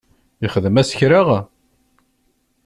Ixdem-as kra?